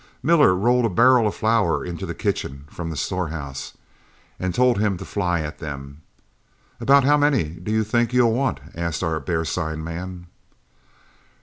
Miller rolled a barrel of flour into the kitchen from the storehouse, and told him to fly at them. 'About how many do you think you'll want?' asked our bear sign man.